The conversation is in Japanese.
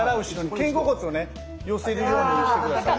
肩甲骨を寄せるようにして下さい。